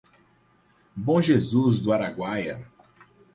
Bom Jesus do Araguaia